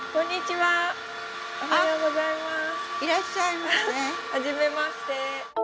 はじめまして。